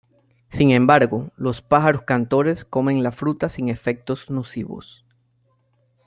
Sin embargo, los pájaros cantores comen la fruta sin efectos nocivos.